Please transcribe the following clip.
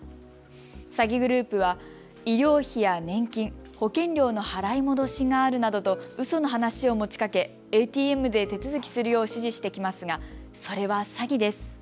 詐欺グループは医療費や年金、保険料の払い戻しがあるなどと、うその話を持ちかけＡＴＭで手続きするよう指示してきますがそれは詐欺です。